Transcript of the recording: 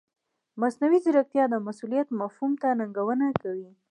مصنوعي ځیرکتیا د مسؤلیت مفهوم ته ننګونه کوي.